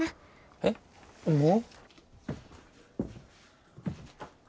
えっもう？